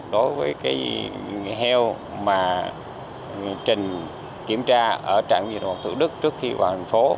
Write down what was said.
đối với heo mà trình kiểm tra ở trạm dịch vật thủ đức trước khi vào thành phố